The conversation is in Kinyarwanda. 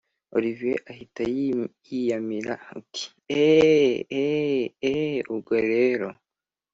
olivier ahita yiyamira uti”eee eee eee ubwo rero